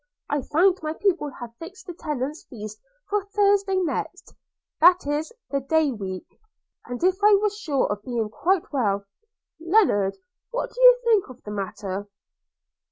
I find my people have fixed the tenants' feast for Thursday next, that is, this day week; and if I were sure of being quite well – Lennard, what do you think of the matter?'